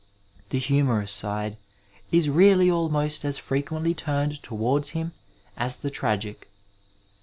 The humorous side is really almost as frequently turned towards him as the tragic.